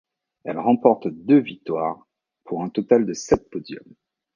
Elle remporte deux victoires, pour un total de sept podiums.